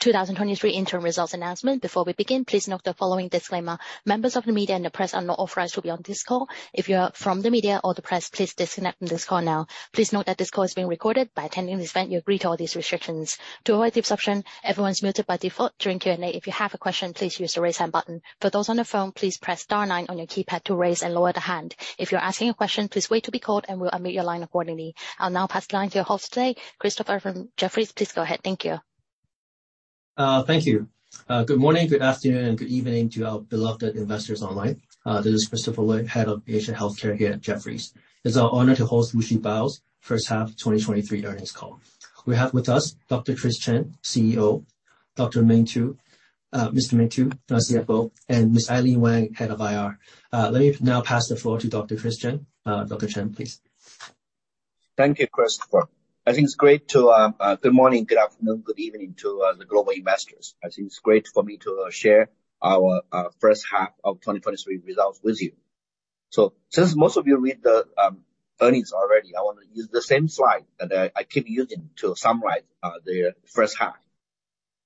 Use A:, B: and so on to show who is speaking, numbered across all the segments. A: 2023 interim results announcement. Before we begin, please note the following disclaimer. Members of the media and the press are not authorized to be on this call. If you are from the media or the press, please disconnect from this call now. Please note that this call is being recorded. By attending this event, you agree to all these restrictions. To avoid disruption, everyone is muted by default during Q&A. If you have a question, please use the Raise Hand button. For those on the phone, please press star nine on your keypad to raise and lower the hand. If you're asking a question, please wait to be called, and we'll unmute your line accordingly. I'll now pass the line to your host today, Christopher from Jefferies. Please go ahead. Thank you.
B: Thank you. Good morning, good afternoon, and good evening to our beloved investors online. This is Christopher Lui, Head of Asian Healthcare here at Jefferies. It's our honor to host WuXi Biologics' first half 2023 earnings call. We have with us Dr. Chris Chen, CEO, Dr. Ming Tu, Mr. Ming Tu, our CFO, and Ms. Eileen Wang, Head of IR. Let me now pass the floor to Dr. Chris Chen. Dr. Chen, please.
C: Thank you, Christopher. I think it's great to good morning, good afternoon, good evening to the global investors. I think it's great for me to share our first half of 2023 results with you. So since most of you read the earnings already, I want to use the same slide that I keep using to summarize the first half.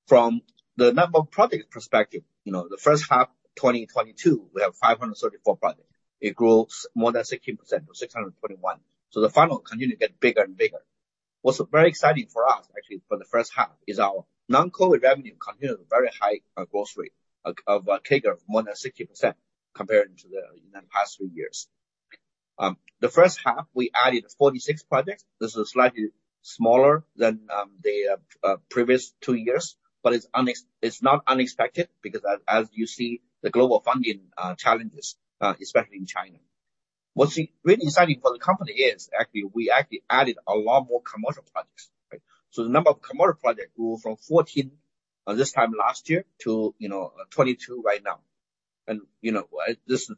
C: From the number of projects perspective, you know, the first half of 2022, we have 534 projects. It grows more than 16% to 641. So the funnel continue to get bigger and bigger. What's very exciting for us, actually, for the first half, is our non-COVID revenue continued a very high growth rate of CAGR of more than 60% compared to the past three years. The first half, we added 46 projects. This is slightly smaller than the previous two years, but it's not unexpected because as you see, the global funding challenges, especially in China. What's really exciting for the company is actually, we actually added a lot more commercial projects, right? So the number of commercial projects grew from 14 this time last year to 22 right now and this.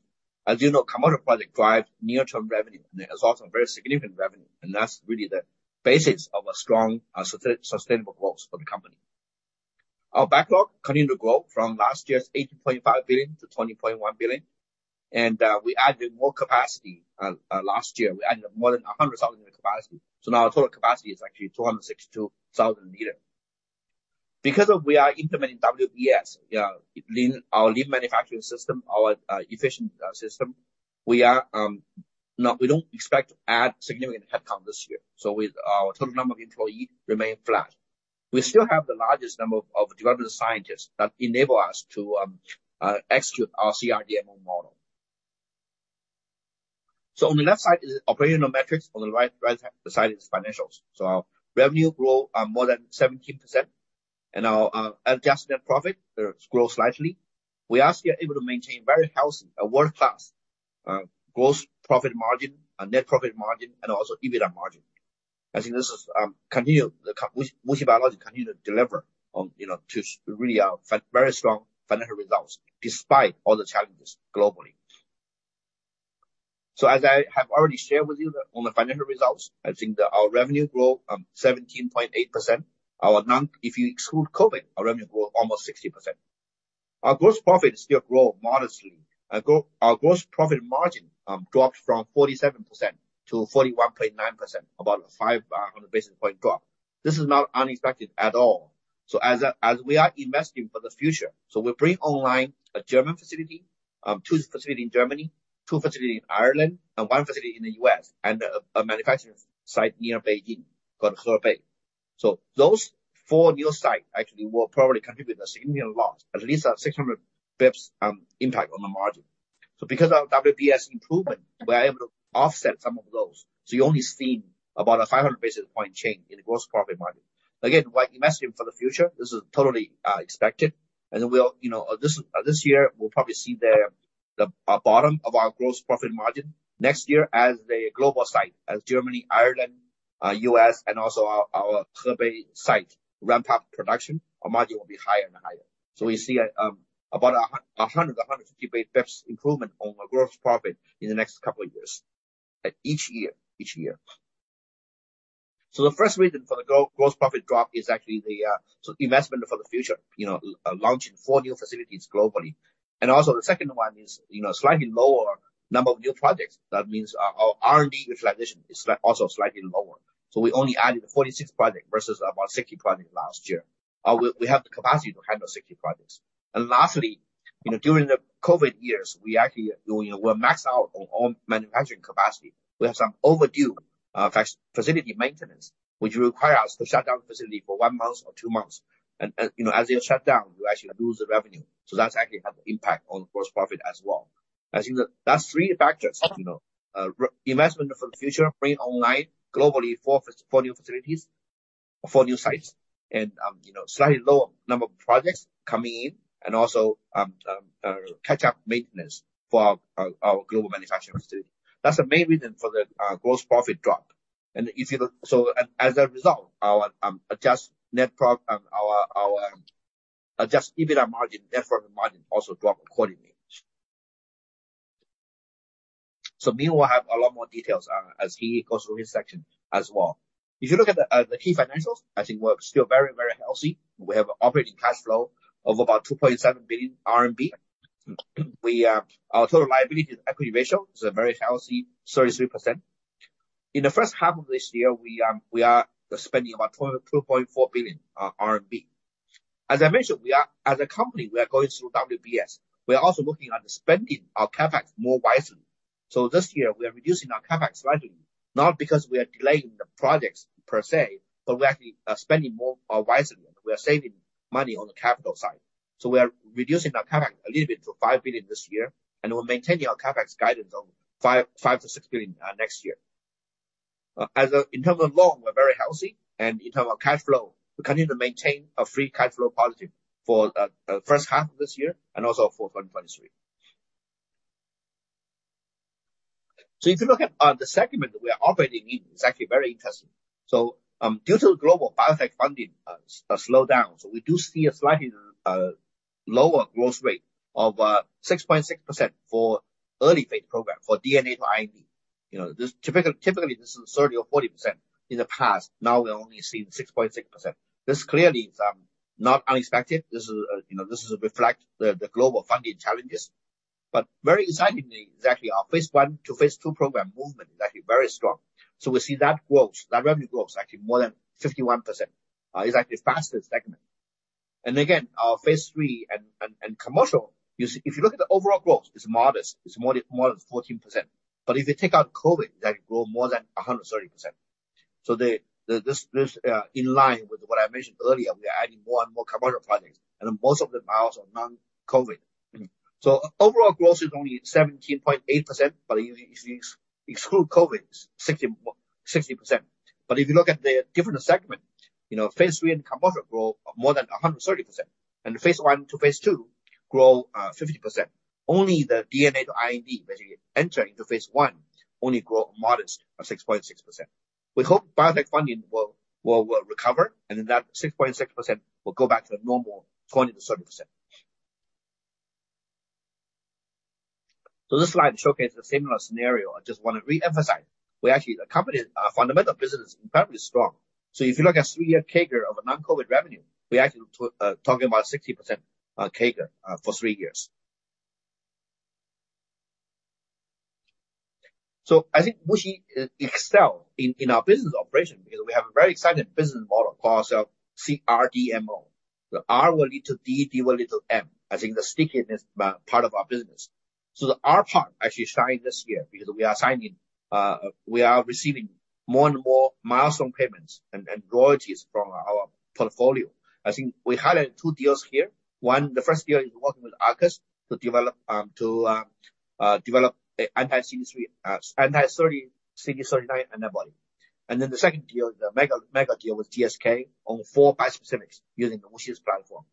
C: As you know, commercial project drive near-term revenue, and it's also very significant revenue, and that's really the basis of a strong sustainable growth for the company. Our backlog continue to grow from last year's 18.5 billion to 20.1 billion, and we added more capacity. Last year, we added more than 100,000 in capacity, so now our total capacity is actually 262,000 liter. Because of we are implementing WBS, lean, our lean manufacturing system, our, efficient, system, we are not, we don't expect to add significant headcount this year, so our total number of employee remain flat. We still have the largest number of, of development scientists that enable us to, execute our CRDMO model. So on the left side is operational metrics, on the right side is financials. So our revenue grow, more than 17%, and our, adjusted net profit, grows slightly. We are still able to maintain very healthy, a world-class, gross profit margin, a net profit margin and also EBITDA margin. I think this is continuing, WuXi Biologics continues to deliver on, you know, to really very strong financial results despite all the challenges globally. So as I have already shared with you on the financial results, I think that our revenue grow 17.8%. Our non-COVID, if you exclude COVID, our revenue grow almost 60%. Our gross profit still grow modestly. Our gross profit margin dropped from 47% to 41.9%, about a 5 basis point drop. This is not unexpected at all. So as we are investing for the future, so we bring online a German facility, two facilities in Germany, two facilities in Ireland and one facility in the U.S., and a manufacturing site near Beijing called Hebei. So those four new sites actually will probably contribute a significant loss, at least 600 basis points, impact on the margin. So because of WBS improvement, we're able to offset some of those, so you only see about 500 basis point change in the gross profit margin. Again, we're investing for the future. This is totally expected, and we'll, you know, this year, we'll probably see the bottom of our gross profit margin. Next year, as the global site, as Germany, Ireland, U.S. and also our Hebei site ramp up production, our margin will be higher and higher. So we see about 100, 150 basis points improvement on our gross profit in the next couple of years, each year, each year. So the first reason for the gross profit drop is actually the investment for the future, you know, launching 4 new facilities globally. The second one is, you know, slightly lower number of new projects. That means our R&D utilization is also slightly lower. So we only added 46 projects versus about 60 projects last year. We have the capacity to handle 60 projects. And lastly, you know, during the COVID years, we actually, you know, were maxed out on all manufacturing capacity. We have some overdue facility maintenance, which require us to shut down the facility for 1 month or 2 months, and you know, as you shut down, you actually lose the revenue, so that's actually have impact on gross profit as well. I think that's three factors, you know, investment for the future, bringing online globally four new facilities, four new sites, and, you know, slightly lower number of projects coming in and also, catch-up maintenance for our global manufacturing facility. That's the main reason for the gross profit drop. So as a result, our adjusted net profit and our adjusted EBITDA margin, net profit margin, also drop accordingly. So Ming will have a lot more details, as he goes through his section as well. If you look at the key financials, I think we're still very, very healthy. We have operating cash flow of about 2.7 billion RMB. We, our total liability to equity ratio is a very healthy 33%. In the first half of this year, we are spending about 22.4 billion RMB RMB. As I mentioned, we are as a company, we are going through WBS. We are also working on spending our CapEx more wisely. So this year we are reducing our CapEx slightly, not because we are delaying the projects per se, but we are actually spending more wisely, and we are saving money on the capital side. So we are reducing our CapEx a little bit to 5 billion this year, and we're maintaining our CapEx guidance of 5-6 billion next year. As a, in terms of loan, we're very healthy, and in terms of cash flow, we continue to maintain a free cash flow positive for the first half of this year and also for 2023. So if you look at the segment we are operating in, it's actually very interesting. So due to the global biotech funding slowdown, so we do see a slightly lower growth rate of 6.6% for early phase program, for DNA to IND. You know, this typically this is 30 or 40% in the past. Now we're only seeing 6.6%. This clearly is not unexpected. This is you know, this is reflect the the global funding challenges, but very excitingly, is actually our phase one to phase two program movement is actually very strong. So we see that growth, that revenue growth, is actually more than 51%. It's actually the fastest segment. And again, our phase three and commercial, you see, if you look at the overall growth, it's modest. It's more than, more than 14%. But if you take out COVID, that grows more than 130%. So this in line with what I mentioned earlier, we are adding more and more commercial products, and most of them are also non-COVID. So overall growth is only 17.8%, but if you, if you exclude COVID, it's 60%. But if you look at the different segment, you know, phase three and commercial grow more than 130%, and phase one to phase two grow 50%. Only the DNA to IND, basically enter into phase one, only grow modestly at 6.6%. We hope biotech funding will recover, and then that 6.6% will go back to the normal 20%-30%. So this slide showcases a similar scenario. I just want to reemphasize, we actually, the company, fundamental business is incredibly strong. So if you look at three-year CAGR of non-COVID revenue, we're actually talking about 60%, CAGR, for three years. So I think WuXi excels in our business operation because we have a very exciting business model, called our CRDMO. The R will lead to D, D will lead to M, as in the stickiness part of our business. So the R part actually shines this year because we are signing, we are receiving more and more milestone payments and royalties from our portfolio. I think we highlight two deals here. One, the first deal is working with Arcus to develop, to develop an anti-CD3, anti-CD39 antibody. Then the second deal, the mega, mega deal with GSK on four bispecifics using WuXi's platform.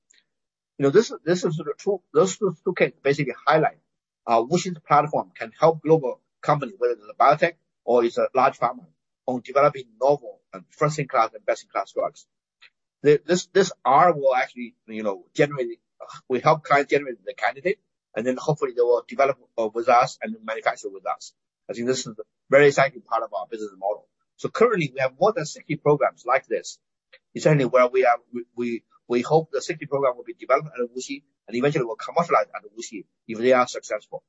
C: You know, Those two can basically highlight our WuXi's platform can help global company, whether it's a biotech or it's a large pharma, on developing novel and first-in-class and best-in-class drugs. This R will actually, you know, generate, we help clients generate the candidate, and then hopefully they will develop with us and manufacture with us. I think this is a very exciting part of our business model. Currently, we have more than 60 programs like this. Essentially, where we are, we hope the safety program will be developed at WuXi and eventually will commercialize at WuXi if they are successful.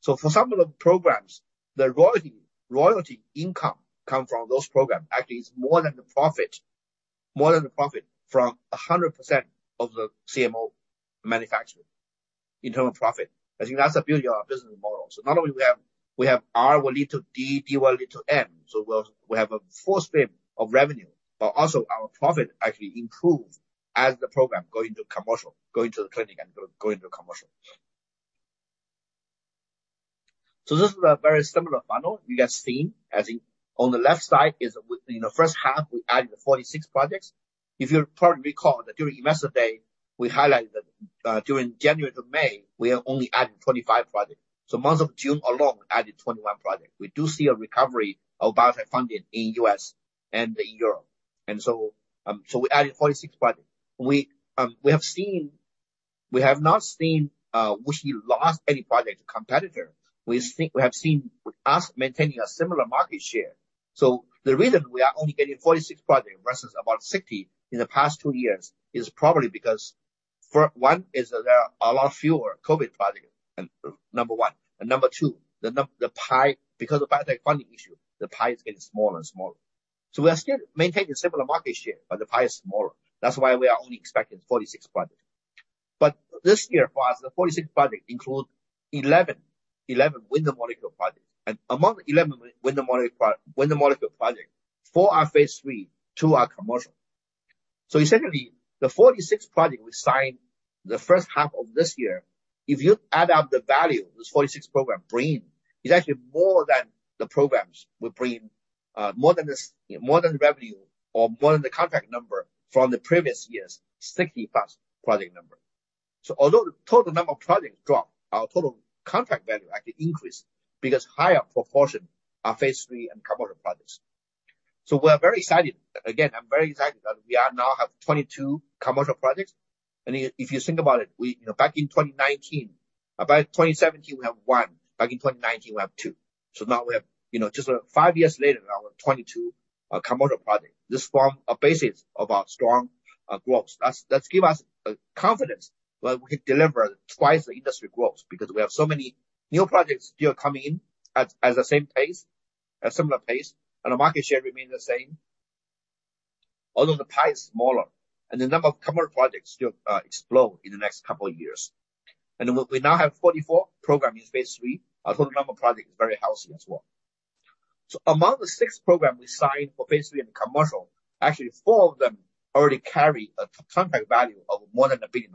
C: So for some of the programs, the royalty, royalty income come from those programs actually is more than the profit, more than the profit from 100% of the CMO manufacturer in terms of profit. I think that's the beauty of our business model. So not only we have, we have R will lead to D, D will lead to M, so we'll, we have a full stream of revenue, but also our profit actually improve as the program go into commercial, go into the clinic and go into commercial. So this is a very similar funnel you guys seen, as in on the left side is within the first half, we added 46 projects. If you probably recall that during Investor Day, we highlighted that, during January to May, we are only adding 25 projects. So month of June alone added 21 projects. We do see a recovery of biotech funding in U.S. and in Europe, and so we added 46 projects. We have not seen WuXi lost any project to competitor. We think we have seen us maintaining a similar market share. So the reason we are only getting 46 projects versus about 60 in the past two years is probably because for one, is that there are a lot fewer COVID projects, number one. And number two, the pie, because of biotech funding issue, the pie is getting smaller and smaller. So we are still maintaining similar market share, but the pie is smaller. That's why we are only expecting 46 projects. But this year, for us, the 46 projects include 11, 11 winner molecule projects. And among the 11 winner molecule project, 4 are phase three, 2 are commercial. So essentially, the 46 projects we signed the first half of this year, if you add up the value this 46 program bring, it's actually more than the programs will bring, more than this, more than the revenue or more than the contract number from the previous year's 60+ project number. So although the total number of projects dropped, our total contract value actually increased because higher proportion are phase three and commercial projects. So we are very excited. Again, I'm very excited that we are now have 22 commercial projects, and if you, if you think about it, we, you know, back in 2019... About 2017, we have 1. Back in 2019, we have 2. So now we have, you know, just about 5 years later, now we're 22.... a commercial project. This form a basis of our strong growth. That's give us confidence that we can deliver twice the industry growth, because we have so many new projects still coming in at the same pace, a similar pace, and the market share remains the same. Although the pie is smaller, and the number of commercial projects still explode in the next couple of years. And we now have 44 programs in phase III. Our total number of projects is very healthy as well. So among the 6 programs we signed for phase III and commercial, actually 4 of them already carry a contract value of more than $1 billion.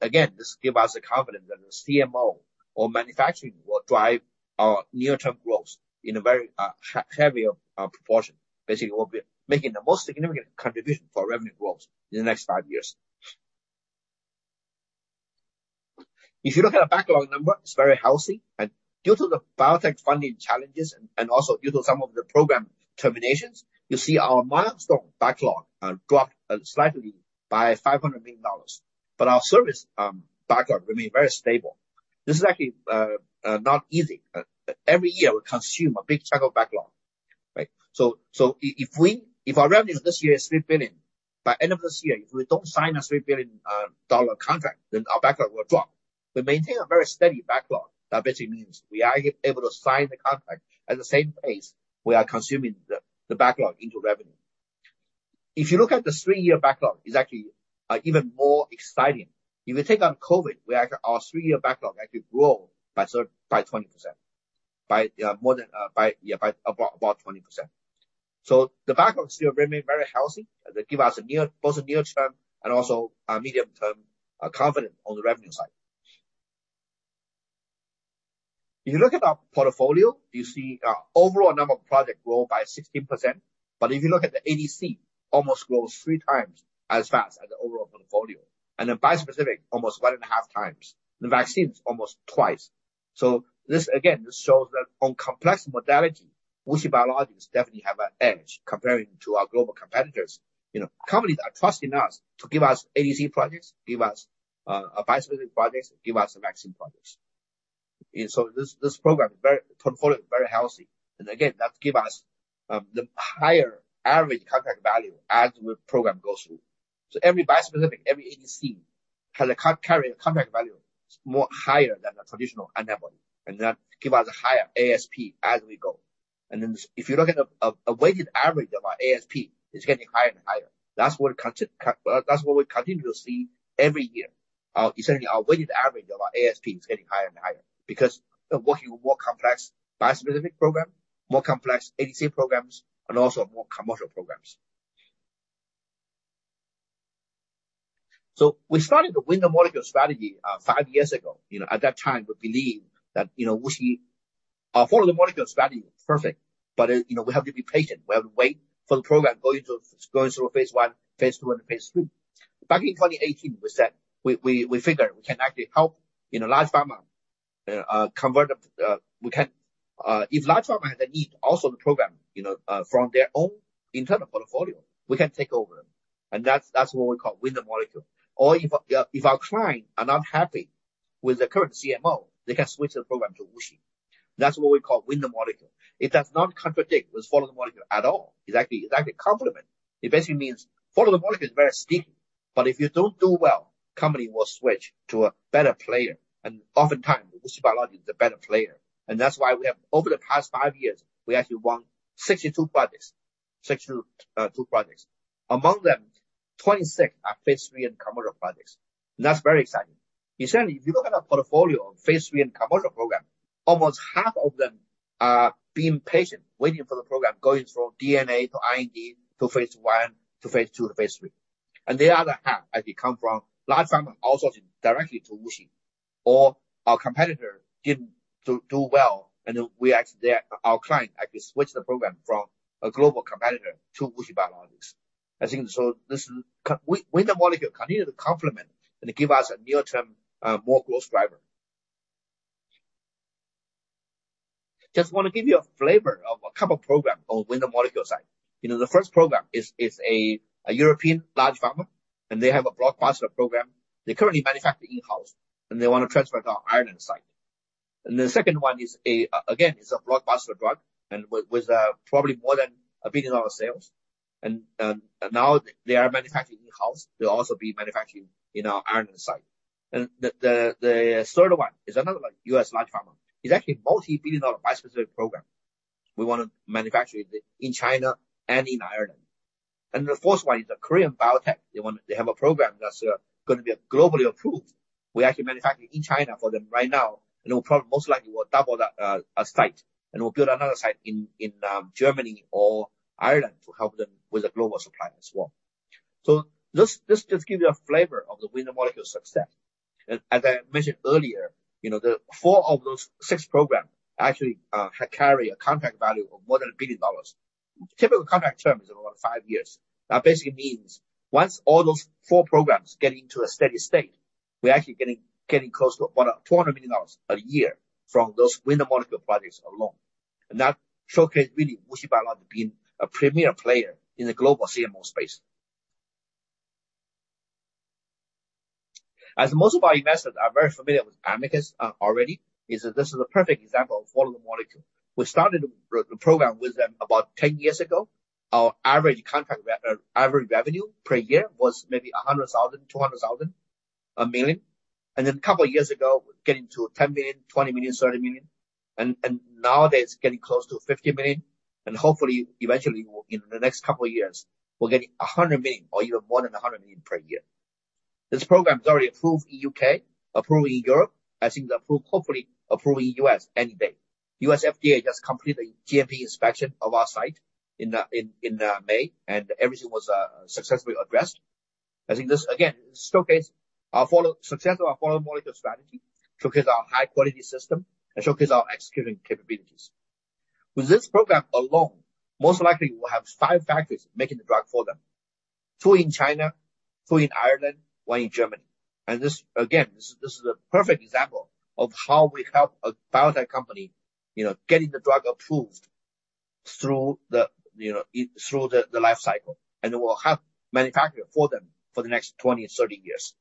C: Again, this give us the confidence that the CMO or manufacturing will drive our near-term growth in a very heavier proportion. Basically, it will be making the most significant contribution for revenue growth in the next 5 years. If you look at the backlog number, it's very healthy, and due to the biotech funding challenges and also due to some of the program terminations, you see our milestone backlog dropped slightly by $500 million, but our service backlog remained very stable. This is actually not easy. Every year, we consume a big chunk of backlog, right? So if our revenue this year is $3 billion, by end of this year, if we don't sign a $3 billion contract, then our backlog will drop. We maintain a very steady backlog. That basically means we are able to sign the contract at the same pace we are consuming the backlog into revenue. If you look at the 3-year backlog, it's actually even more exciting. If you take out COVID, we actually—our three-year backlog actually grow by 20%. By about 20%. So the backlog still remain very healthy, and they give us both a near term and also a medium term confidence on the revenue side. If you look at our portfolio, you see our overall number of projects grow by 16%, but if you look at the ADC, almost grows three times as fast as the overall portfolio, and the bispecific, almost one and a half times. The vaccines, almost twice. So this again shows that on complex modality, WuXi Biologics definitely have an edge comparing to our global competitors. You know, companies are trusting us to give us ADC projects, give us bispecific projects, give us vaccine projects. So this, this program is very, portfolio is very healthy. And again, that give us the higher average contract value as the program goes through. So every bispecific, every ADC, has a carries a contract value more higher than the traditional antibody, and that give us a higher ASP as we go. And then if you look at a, a weighted average of our ASP, it's getting higher and higher. That's what we continue to see every year. Essentially, our weighted average of our ASP is getting higher and higher because we're working with more complex bispecific program, more complex ADC programs, and also more commercial programs. So we started the Win the Molecule strategy five years ago. You know, at that time, we believed that, you know, WuXi, our Follow the Molecule strategy was perfect, but, you know, we have to be patient. We have to wait for the program going through, going through phase I, phase II, and phase III. Back in 2018, we said we figured we can actually help, you know, large pharma convert the--we can if large pharma have the need, also the program, you know, from their own internal portfolio, we can take over, and that's what we call Win the Molecule. Or if our client are not happy with the current CMO, they can switch the program to WuXi. That's what we call Win the Molecule. It does not contradict with Follow the Molecule at all. It's actually, it actually complement. It basically means Follow the Molecule is very steep, but if you don't do well, company will switch to a better player, and oftentimes, WuXi Biologics is the better player. That's why we have, over the past five years, we actually won 62 projects. 62 projects. Among them, 26 are phase III and commercial projects. And that's very exciting. Essentially, if you look at our portfolio of phase III and commercial program, almost half of them are being patient, waiting for the program, going from DNA to IND, to phase I, to phase II, to phase III. And the other half actually come from large pharma outsourcing directly to WuXi Biologics, or our competitor didn't do well, and then we actually then—our client actually switched the program from a global competitor to WuXi Biologics. I think so. This Follow the Molecule continued to complement and give us a near-term, more growth driver. Just want to give you a flavor of a couple of programs on Follow the Molecule side. You know, the first program is a European large pharma, and they have a blockbuster program. They currently manufacture in-house, and they want to transfer to our Ireland site. And the second one is again, it's a blockbuster drug, with probably more than a billion dollar sales. And now they are manufacturing in-house. They'll also be manufacturing in our Ireland site. And the third one is another, like, US large pharma. It's actually a multi-billion-dollar bispecific program. We want to manufacture it in China and in Ireland. And the fourth one is a Korean biotech. They have a program that's going to be globally approved. We're actually manufacturing in China for them right now, and we'll most likely double that site, and we'll build another site in Germany or Ireland to help them with the global supply as well. So this just give you a flavor of the Win the Molecule success. And as I mentioned earlier, you know, the four of those six programs actually carry a contract value of more than $1 billion. Typical contract term is about five years. That basically means once all those four programs get into a steady state, we're actually getting close to about $200 million a year from those Win the Molecule projects alone. And that showcase really WuXi Biologics being a premier player in the global CMO space. As most of our investors are very familiar with Amicus already, this is a perfect example of follow the molecule. We started the program with them about 10 years ago. Our average revenue per year was maybe $100,000, $200,000, $1 million. And then a couple of years ago, getting to $10 million, $20 million, $30 million, and nowadays getting close to $50 million, and hopefully eventually, in the next couple of years, we're getting $100 million or even more than $100 million per year. This program is already approved in U.K., approved in Europe. I think the approved, hopefully approved in U.S. any day. U.S. FDA just completed a GMP inspection of our site in May, and everything was successfully addressed. I think this again showcases our success of our Follow the Molecule strategy, showcases our high-quality system, and showcases our executing capabilities. With this program alone, most likely we'll have 5 factories making the drug for them. 2 in China, 2 in Ireland, 1 in Germany. And this, again, this is a perfect example of how we help a biotech company, you know, getting the drug approved through the, you know, through the life cycle, and we'll have manufacture for them for the next 20-30 years.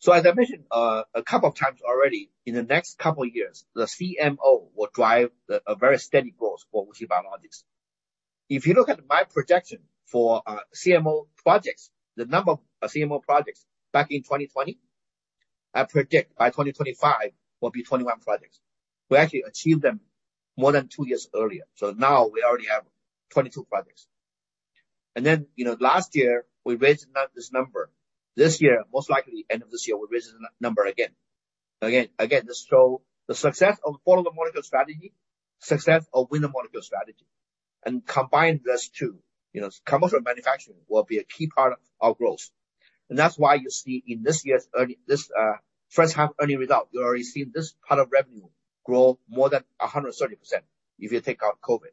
C: So as I mentioned a couple of times already, in the next couple of years, the CMO will drive a very steady growth for WuXi Biologics. If you look at my projection for CMO projects, the number of CMO projects back in 2020, I predict by 2025 will be 21 projects. We actually achieved them more than two years earlier, so now we already have 22 projects. Then, you know, last year, we raised this number. This year, most likely end of this year, we'll raise the number again. Again, this shows the success of Follow the Molecule strategy, success of Win the Molecule strategy, and combine these two, you know, commercial manufacturing will be a key part of our growth. And that's why you see in this year's earnings, this first half earnings result, you already see this part of revenue grow more than 130% if you take out COVID.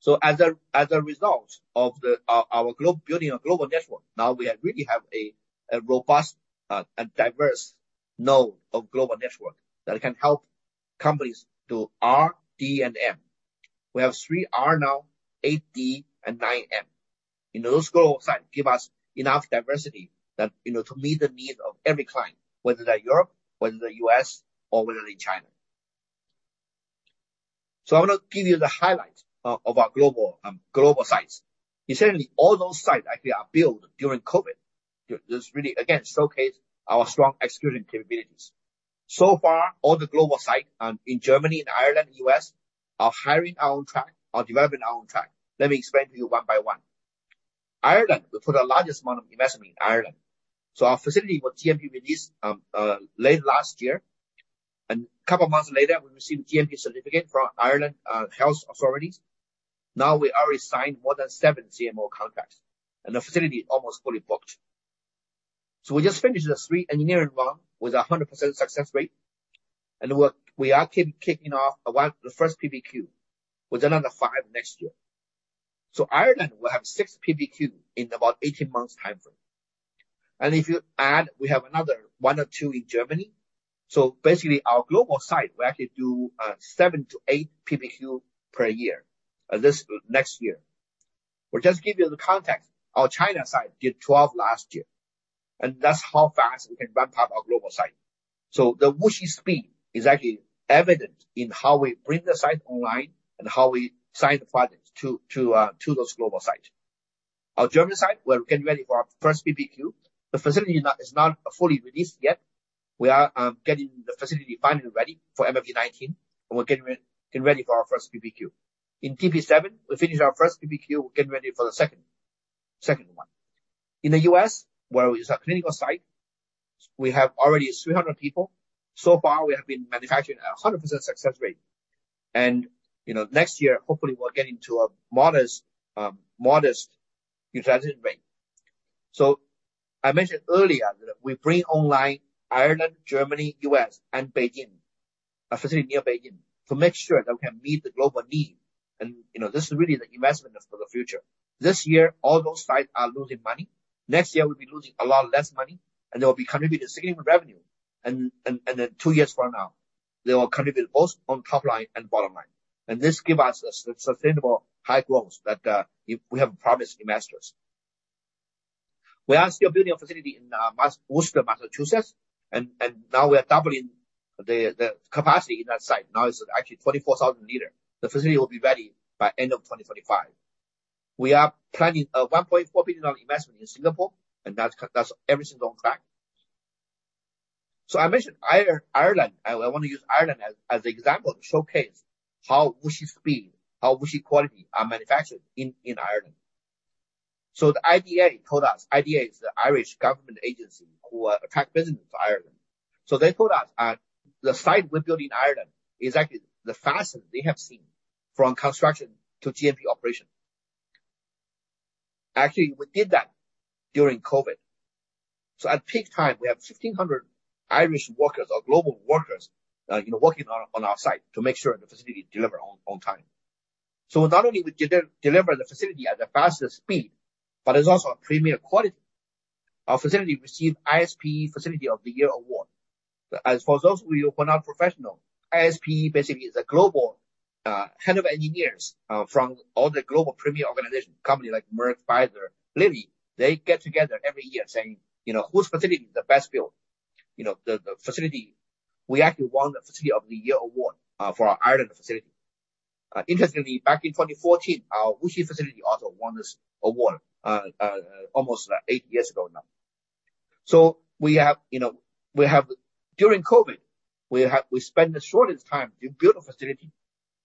C: So as a result of our global building our global network, now we really have a robust and diverse network of global nodes that can help companies do R, D, and M. We have 3 R now, 8 D, and 9 M. You know, those global sites give us enough diversity that, you know, to meet the needs of every client, whether they're Europe, whether they're U.S., or whether in China. So I want to give you the highlight of our global sites. Essentially, all those sites actually are built during COVID. This really, again, showcase our strong executing capabilities. So far, all the global site in Germany, in Ireland, U.S., are hiring our own track or developing our own track. Let me explain to you one by one. Ireland, we put the largest amount of investment in Ireland. So our facility was GMP released late last year, and couple of months later, we received GMP certificate from Ireland health authorities. Now, we already signed more than 7 CMO contracts, and the facility is almost fully booked. So we just finished the 3 engineering run with a 100% success rate, and we are kicking off 1, the first PBQ, with another 5 next year. So Ireland will have 6 PPQ in about 18 months timeframe. And if you add, we have another 1 or 2 in Germany. So basically, our global site will actually do 7-8 PBQ per year, at least next year. We'll just give you the context. Our China site did 12 last year, and that's how fast we can ramp up our global site. So the Wuxi speed is actually evident in how we bring the site online and how we sign the projects to those global sites. Our Germany site, we're getting ready for our first PBQ. The facility is not fully released yet. We are getting the facility finally ready for MFG 19, and we're getting ready for our first PBQ. In DP 7, we finished our first PBQ, we're getting ready for the second one. In the U.S., where is our clinical site, we have already 300 people. So far, we have been manufacturing at a 100% success rate and, you know, next year, hopefully, we'll get into a modest transition rate. So I mentioned earlier that we bring online Ireland, Germany, U.S., and Beijing, a facility near Beijing, to make sure that we can meet the global need. And, you know, this is really the investment for the future. This year, all those sites are losing money. Next year, we'll be losing a lot less money, and they will be contributing significant revenue. And then two years from now, they will contribute both on top line and bottom line. And this give us a sustainable high growth that, if we have promised investors. We are still building a facility in Worcester, Massachusetts, and now we are doubling the capacity in that site. Now, it's actually 24,000 liter. The facility will be ready by end of 2025. We are planning a $1.4 billion investment in Singapore, and that's everything on track. So I mentioned Ireland. I want to use Ireland as an example to showcase how WuXi speed, how WuXi quality are manufactured in Ireland. So the IDA told us, IDA is the Irish government agency who attract business to Ireland. So they told us, the site we built in Ireland is actually the fastest they have seen from construction to GMP operation. Actually, we did that during COVID. So at peak time, we have 1,500 Irish workers or global workers, you know, working on our site to make sure the facility deliver on time. So not only we deliver the facility at the fastest speed, but it's also a premier quality. Our facility received ISPE Facility of the Year award. As for those of you who are not professional, ISPE basically is a global head of engineers from all the global premier organization, companies like Merck, Pfizer, Lilly. They get together every year saying, you know, "Whose facility is the best built?" You know, the facility. We actually won the Facility of the Year award for our Ireland facility. Interestingly, back in 2014, our Wuxi facility also won this award, almost 8 years ago now. So we have, you know, during COVID, we spent the shortest time to build a facility,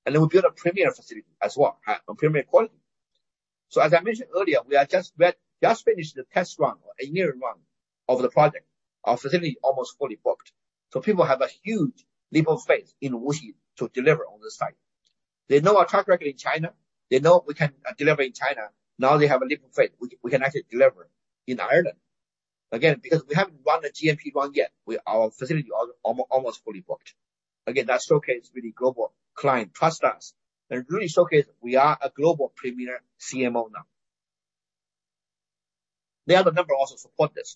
C: and then we built a premier facility as well, a premier quality. So as I mentioned earlier, we just finished the test run or a year run of the project. Our facility is almost fully booked. So people have a huge leap of faith in Wuxi to deliver on this site. They know our track record in China. They know we can deliver in China. Now they have a leap of faith, we can actually deliver in Ireland. Again, because we haven't run a GMP run yet, our facility is almost fully booked. Again, that showcase really global client trust us and really showcase we are a global premier CMO now. The other number also support this.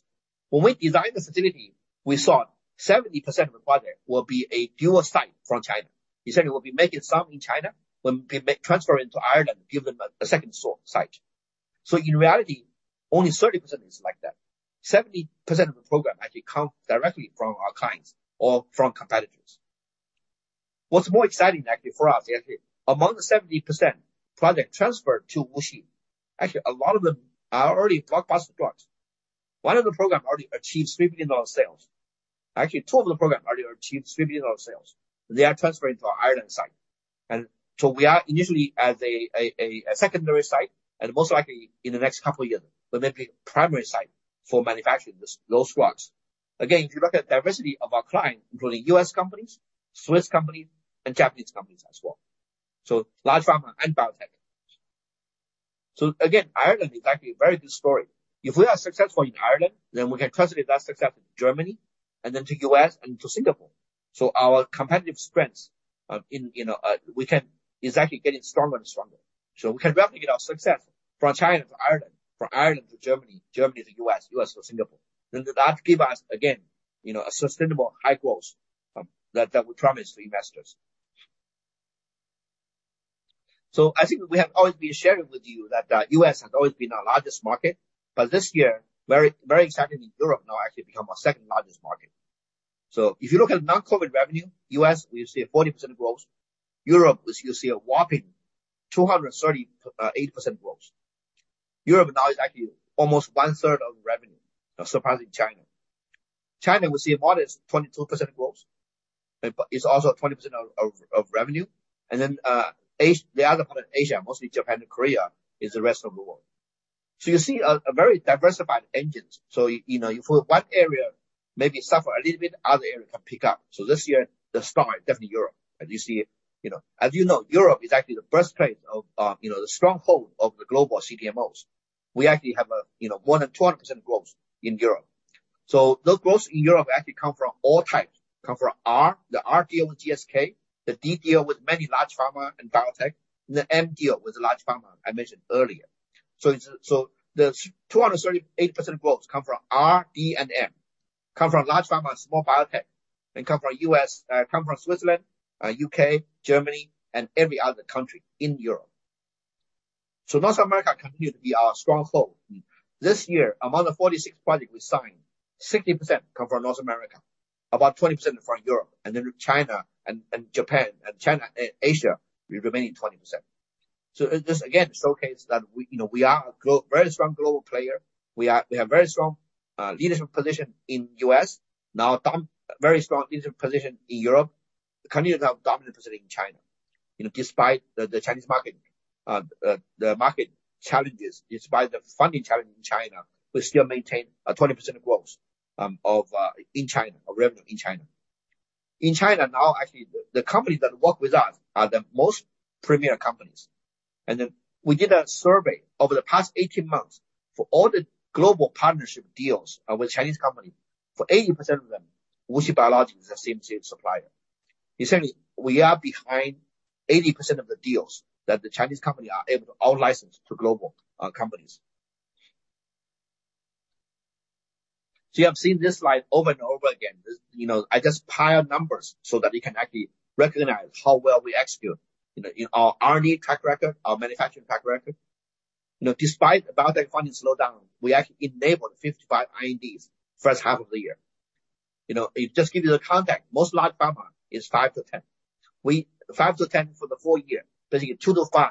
C: When we designed the facility, we thought 70% of the project will be a dual site from China. We said we will be making some in China, when we make transfer into Ireland, give them a second site. So in reality, only 30% is like that. 70% of the program actually comes directly from our clients or from competitors. What's more exciting actually for us, actually, among the 70% project transferred to Wuxi, actually, a lot of them are already blockbuster drugs. One of the program already achieved $3 billion sales. Actually, two of the program already achieved $3 billion sales. They are transferring to our Ireland site. And so we are initially as a secondary site, and most likely in the next couple of years, we may be a primary site for manufacturing those drugs. Again, if you look at diversity of our clients, including U.S. companies, Swiss companies, and Japanese companies as well. So large pharma and biotech. So again, Ireland is actually a very good story. If we are successful in Ireland, then we can translate that success to Germany and then to U.S. and to Singapore. So our competitive strengths, you know, is actually getting stronger and stronger. So we can replicate our success from China to Ireland, from Ireland to Germany, Germany to U.S., U.S. to Singapore. Then that give us, again, you know, a sustainable high growth, that we promise to investors. So I think we have always been sharing with you that US has always been our largest market, but this year, very, very exciting in Europe, now actually become our second largest market. So if you look at non-COVID revenue, US, we see a 40% growth. Europe, you see a whopping 238% growth. Europe now is actually almost one third of revenue, surpassing China. China, we see a modest 22% growth, but it's also a 20% of revenue. And then the other part of Asia, mostly Japan and Korea, is the rest of the world. So you see a very diversified engines. So, you know, if one area maybe suffer a little bit, other area can pick up. So this year, the star is definitely Europe, and you see it. You know, as you know, Europe is actually the birthplace of, you know, the stronghold of the global CDMOs. We actually have a, you know, more than 20% growth in Europe. So those growth in Europe actually come from all types, come from R, the R deal with GSK, the D deal with many large pharma and biotech, the M deal with the large pharma I mentioned earlier. So it's, so the 238% growth come from R, D, and M, come from large pharma and small biotech, and come from U.S., come from Switzerland, U.K., Germany, and every other country in Europe. So North America continue to be our stronghold. This year, among the 46 projects we signed, 60% come from North America, about 20% from Europe, and then China and Japan and China and Asia, the remaining 20%. So this again, showcase that we, you know, we are a very strong global player. We have very strong leadership position in U.S., now very strong leadership position in Europe, continue to have dominant position in China. You know, despite the Chinese market, the market challenges, despite the funding challenge in China, we still maintain a 20% growth of in China, or revenue in China. In China now, actually, the companies that work with us are the most premier companies. And then we did a survey over the past 18 months for all the global partnership deals with Chinese company. For 80% of them, WuXi Biologics is the CMC supplier. Essentially, we are behind 80% of the deals that the Chinese company are able to out-license to global companies. So you have seen this slide over and over again. This, you know, I just pile numbers so that you can actually recognize how well we execute, you know, in our R&D track record, our manufacturing track record. You know, despite biotech funding slowdown, we actually enabled 55 INDs first half of the year. You know, it just give you the context, most large pharma is 5-10. We five to ten for the full year, basically 2-5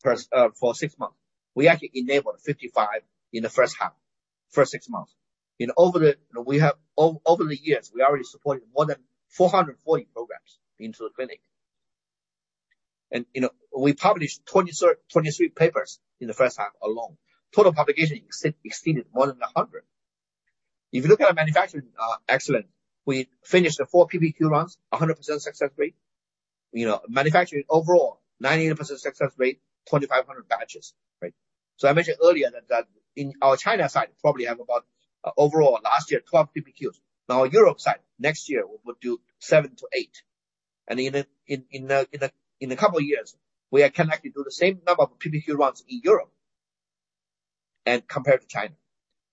C: first for six months. We actually enabled 55 in the first half, first six months. Over the years, we already supported more than 440 programs into the clinic. You know, we published 23 papers in the first half alone. Total publication exceeded more than 100. If you look at our manufacturing excellence, we finished the four PBQ runs, 100% success rate. You know, manufacturing overall, 98% success rate, 2,500 batches, right? So I mentioned earlier that in our China side, probably have about overall last year, 12 PBQs. Now, Europe side, next year, we'll do 7-8. And in a couple of years, we are connecting to the same number of PBQ runs in Europe and compared to China.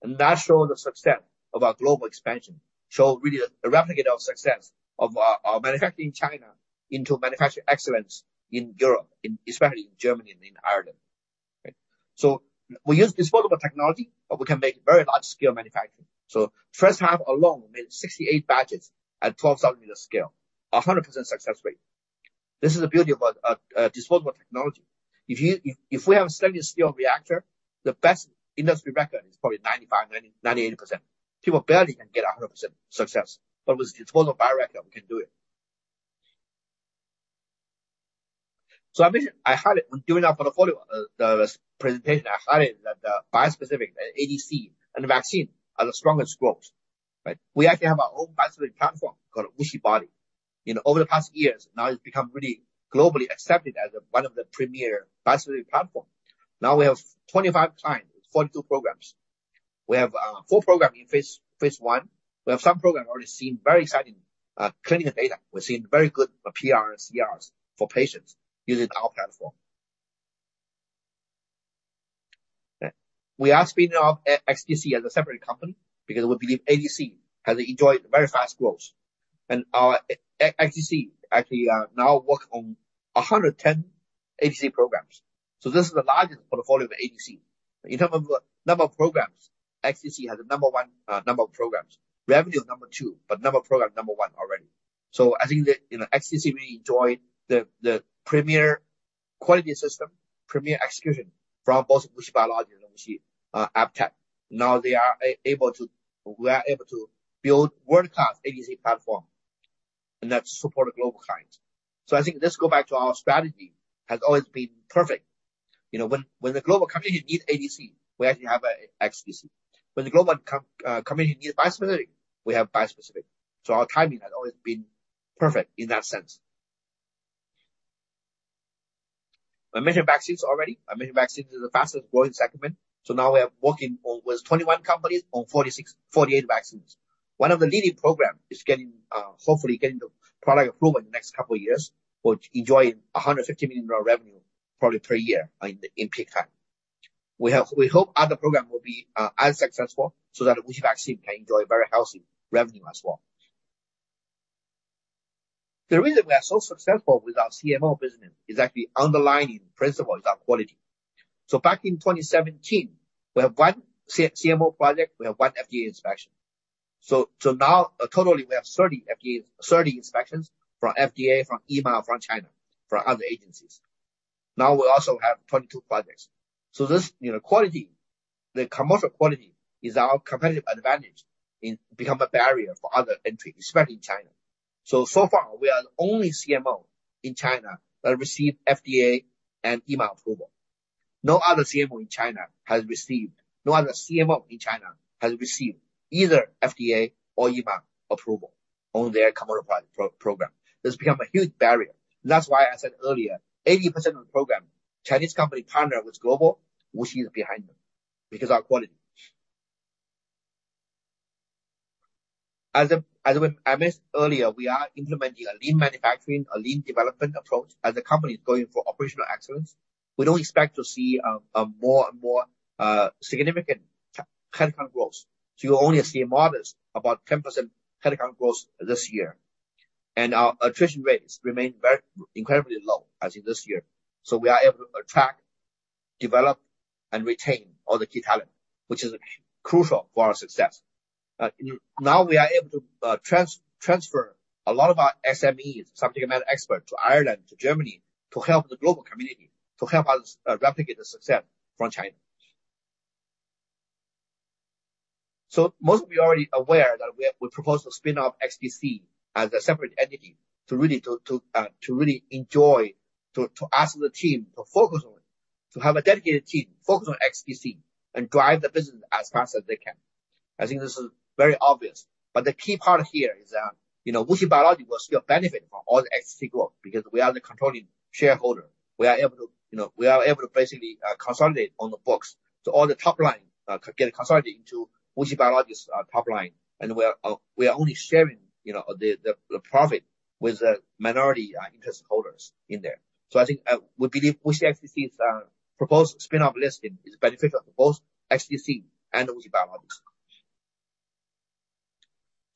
C: And that shows the success of our global expansion, show really a replicate our success of our manufacturing China into manufacturing excellence in Europe, especially in Germany and in Ireland. Okay? So we use disposable technology, but we can make very large scale manufacturing. So first half alone, we made 68 batches at 12,000 unit scale, 100% success rate. This is the beauty about disposable technology. If we have a standard scale reactor, the best industry record is probably 95%, 90%, 98%. People barely can get a hundred percent success, but with disposable bioreactor, we can do it. So I mentioned I had it during our portfolio, the presentation. I had it that the bispecific, ADC, and vaccine are the strongest growth, right? We actually have our own bispecific platform called WuXiBody. You know, over the past years, now it's become really globally accepted as one of the premier bispecific platform. Now we have 25 clients, 42 programs. We have four programs in phase one. We have some programs already seen very exciting clinical data. We're seeing very good PR, CRs for patients using our platform. We are spinning off XDC as a separate company because we believe ADC has enjoyed very fast growth. And our XDC actually now work on 110 ADC programs. So this is the largest portfolio of ADC. In terms of number of programs, XDC has the number one number of programs. Revenue, number two, but number of programs, number one already. So I think that, you know, XDC really enjoyed the premier quality system, premier execution from both WuXi Biologics and WuXi AppTec. Now, they are able to we are able to build world-class ADC platform, and that support global clients. So I think this go back to our strategy, has always been perfect. You know, when the global company need ADC, we actually have a XDC. When the global company need biosimilar, we have bispecific. So our timing has always been perfect in that sense. I mentioned vaccines already. I mentioned vaccines is the fastest growing segment. So now we are working with 21 companies on 46-48 vaccines. One of the leading program is getting hopefully getting the product approval in the next couple of years, which enjoy $150 million revenue, probably per year in peak time. We hope other program will be as successful so that WuXi Vaccines can enjoy very healthy revenue as well. The reason we are so successful with our CMO business is actually underlying principle is our quality. So back in 2017, we have one CMO project, we have one FDA inspection. So now, totally, we have 30 FDA inspections from FDA, from EMA, from China, from other agencies. Now, we also have 22 projects. So this, you know, quality, the commercial quality is our competitive advantage in become a barrier for other entry, especially China. So far, we are the only CMO in China that received FDA and EMA approval. No other CMO in China has received—no other CMO in China has received either FDA or EMA approval on their commercial program. This become a huge barrier. That's why I said earlier, 80% of the program, Chinese company partner with global, WuXi is behind them, because our quality. As I mentioned earlier, we are implementing a lean manufacturing, a lean development approach, as the company is going for operational excellence. We don't expect to see a more and more significant headcount growth. So you only see a modest, about 10% headcount growth this year. And our attrition rates remain very incredibly low, as in this year. So we are able to attract, develop, and retain all the key talent, which is crucial for our success. Now we are able to transfer a lot of our SMEs, subject matter expert, to Ireland, to Germany, to help the global community, to help us replicate the success from China. So most of you are already aware that we propose to spin off XDC as a separate entity, to really enjoy, to ask the team to focus on, to have a dedicated team focus on XDC and drive the business as fast as they can. I think this is very obvious, but the key part here is that, you know, WuXi Biologics will still benefit from all the XDC growth, because we are the controlling shareholder. We are able to, you know, we are able to basically, consolidate on the books. So all the top line get consolidated into WuXi Biologics's top line, and we are only sharing, you know, the profit with the minority interest holders in there. So I think we believe WuXi XDC's proposed spin-off listing is beneficial to both XDC and WuXi Biologics.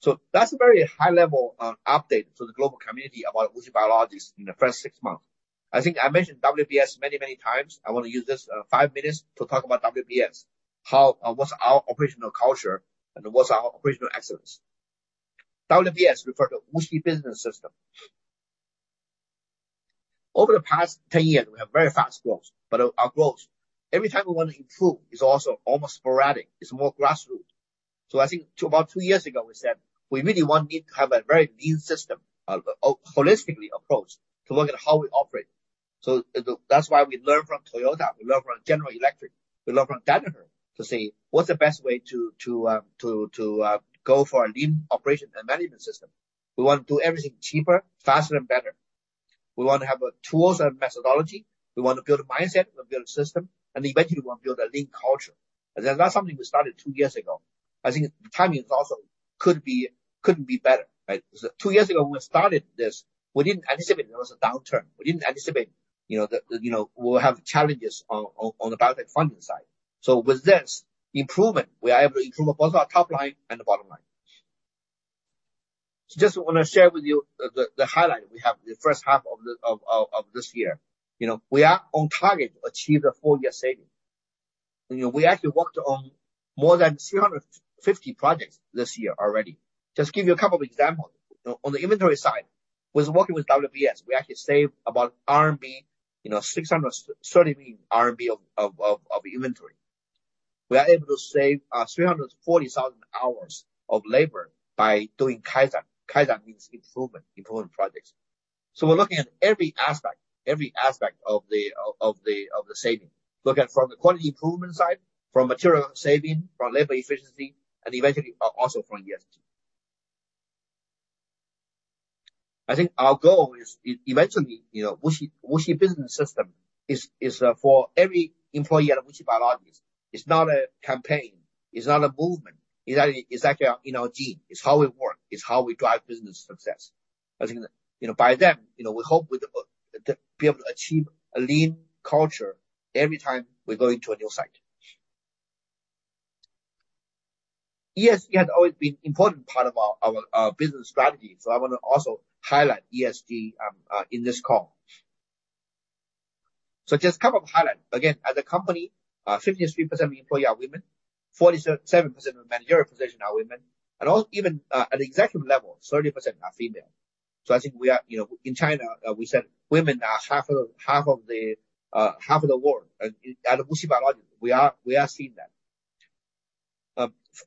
C: So that's a very high-level update to the global community about WuXi Biologics in the first six months. I think I mentioned WBS many, many times. I want to use this five minutes to talk about WBS. What's our operational culture and what's our operational excellence? WBS refers to WuXi Business System. Over the past 10 years, we have very fast growth, but our growth, every time we want to improve, is also almost sporadic. It's more grassroots. So I think to about 2 years ago, we said, we really need to have a very lean system, holistic approach, to look at how we operate. So that's why we learn from Toyota, we learn from General Electric, we learn from Danaher, to say, "What's the best way to go for a lean operation and management system?" We want to do everything cheaper, faster and better.... We want to have tools and methodology. We want to build a mindset, we build a system, and eventually we want to build a lean culture. That's something we started two years ago. I think the timing is also could be, couldn't be better, right? Two years ago, when we started this, we didn't anticipate there was a downturn. We didn't anticipate, you know, that, you know, we'll have challenges on the biotech funding side. With this improvement, we are able to improve both our top line and the bottom line. Just want to share with you the highlight we have the first half of this year. You know, we are on target to achieve a full year saving. You know, we actually worked on more than 350 projects this year already. Just give you a couple of examples. On the inventory side, was working with WBS. We actually saved about 630 million RMB of inventory. We are able to save 340,000 hours of labor by doing Kaizen. Kaizen means improvement, improvement projects. So we're looking at every aspect of the saving. Look at from the quality improvement side, from material saving, from labor efficiency, and eventually also from ESG. I think our goal is eventually, you know, WuXi Business System is for every employee at WuXi Biologics. It's not a campaign, it's not a movement, it's actually, it's actually, you know, a gene. It's how we work, it's how we drive business success. I think, you know, by then, you know, we hope we be able to achieve a lean culture every time we go into a new site. ESG has always been important part of our business strategy, so I want to also highlight ESG in this call. So just a couple of highlights. Again, as a company, 53% of employees are women, 47% of managerial position are women, and even at the executive level, 30% are female. So I think we are, you know, in China, we said women are half of the world, and at WuXi Biologics, we are seeing that.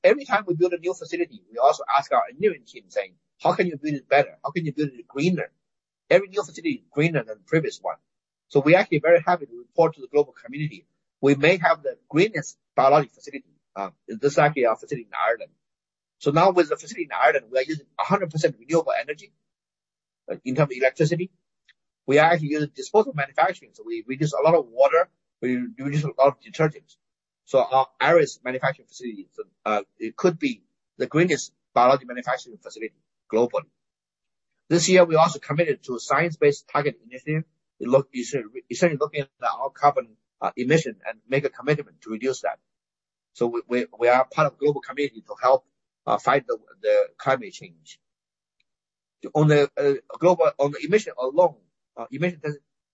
C: Every time we build a new facility, we also ask our engineering team, saying: "How can you build it better? How can you build it greener?" Every new facility is greener than the previous one. So we're actually very happy to report to the global community, we may have the greenest biologic facility, exactly our facility in Ireland. So now with the facility in Ireland, we are using 100% renewable energy, in terms of electricity. We are actually using disposable manufacturing, so we use a lot of water, we use a lot of detergents. So our Irish manufacturing facility, it could be the greenest biologic manufacturing facility globally. This year, we also committed to a Science Based Targets initiative. We look essentially looking at our carbon emission, and make a commitment to reduce that. So we are part of global community to help fight the climate change. On the emission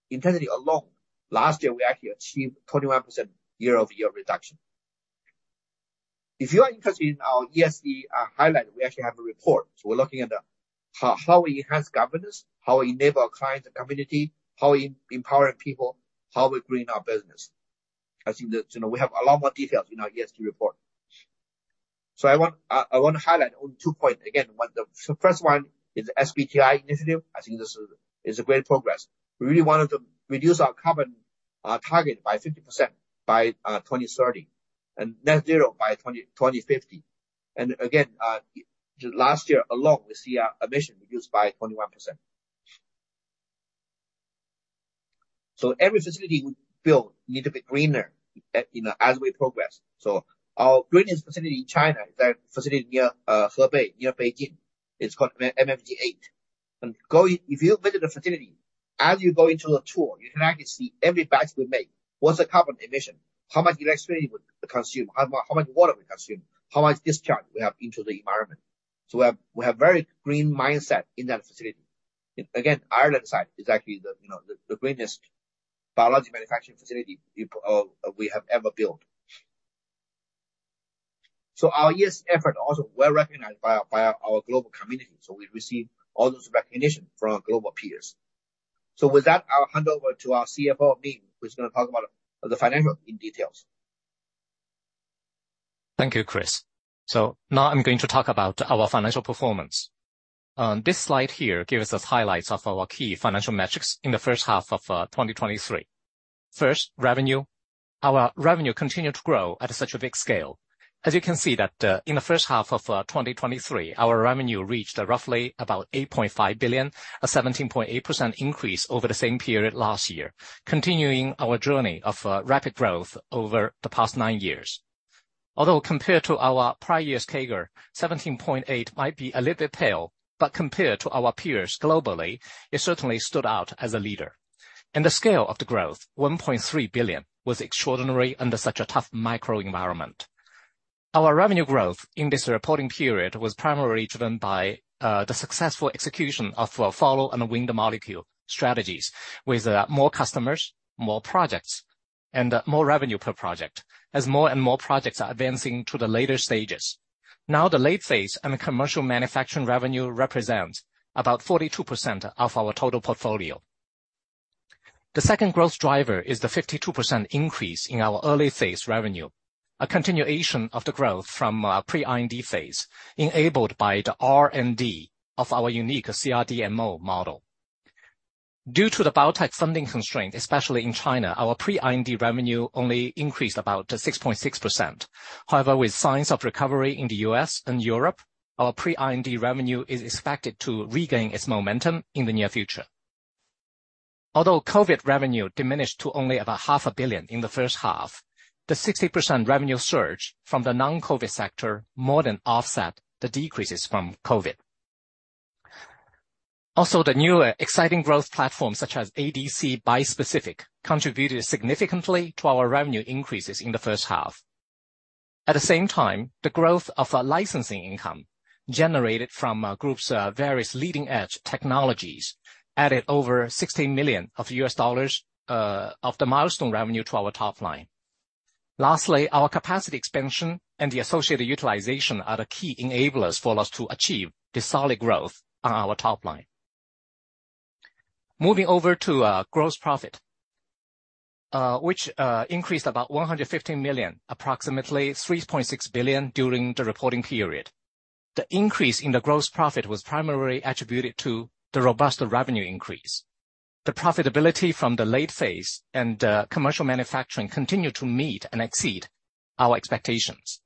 C: intensity alone, last year, we actually achieved 21% year-over-year reduction. If you are interested in our ESG highlight, we actually have a report. So we're looking at how we enhance governance, how we enable our clients and community, how we empower people, how we green our business. I think that, you know, we have a lot more details in our ESG report. So I want, I want to highlight only two points. Again, one, the first one is SBTi initiative. I think this is a great progress. We really wanted to reduce our carbon target by 50% by 2030, and net zero by 2050. And again, last year alone, we see our emission reduced by 21%. So every facility we build need to be greener, you know, as we progress. So our greenest facility in China is our facility near Hebei, near Beijing. It's called MFG8. If you visit the facility, as you go into the tour, you can actually see every batch we make, what's the carbon emission, how much electricity we consume, how much, how much water we consume, how much discharge we have into the environment. So we have, we have very green mindset in that facility. Again, Ireland site is actually the, you know, the greenest biologic manufacturing facility we, we have ever built. So our ESG effort also well recognized by our, by our global community, so we've received all those recognition from our global peers. So with that, I'll hand over to our CFO, Min, who's going to talk about the financial in details.
D: Thank you, Chris. So now I'm going to talk about our financial performance. This slide here gives us highlights of our key financial metrics in the first half of 2023. First, revenue. Our revenue continued to grow at such a big scale. As you can see, that, in the first half of 2023, our revenue reached roughly about 8.5 billion, a 17.8% increase over the same period last year, continuing our journey of rapid growth over the past nine years. Although compared to our prior year's CAGR, 17.8 might be a little bit pale, but compared to our peers globally, it certainly stood out as a leader. And the scale of the growth, 1.3 billion, was extraordinary under such a tough microenvironment. Our revenue growth in this reporting period was primarily driven by the successful execution of follow and win the molecule strategies, with more customers, more projects, and more revenue per project, as more and more projects are advancing to the later stages. Now, the late phase and commercial manufacturing revenue represents about 42% of our total portfolio. The second growth driver is the 52% increase in our early phase revenue, a continuation of the growth from pre-IND phase, enabled by the R&D of our unique CRDMO model. Due to the biotech funding constraint, especially in China, our pre-IND revenue only increased about 6.6%. However, with signs of recovery in the U.S. and Europe, our pre-IND revenue is expected to regain its momentum in the near future.... Although COVID revenue diminished to only about 500 million in the first half, the 60% revenue surge from the non-COVID sector more than offset the decreases from COVID. Also, the newer exciting growth platforms, such as ADC bispecific, contributed significantly to our revenue increases in the first half. At the same time, the growth of our licensing income, generated from, Group's, various leading-edge technologies, added over $16 million of the milestone revenue to our top line. Lastly, our capacity expansion and the associated utilization are the key enablers for us to achieve the solid growth on our top line. Moving over to gross profit, which increased about 115 million, approximately 3.6 billion during the reporting period. The increase in the gross profit was primarily attributed to the robust revenue increase. The profitability from the late phase and commercial manufacturing continued to meet and exceed our expectations.